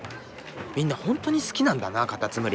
みんなほんとに好きなんだなカタツムリ。